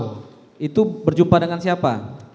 lalu berjumpa dengan siapa